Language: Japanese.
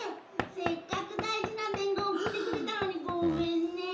せっかくだいじなでんごんおくってくれたのにごめんね。